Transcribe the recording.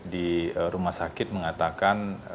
di rumah sakit mengatakan